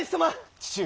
父上。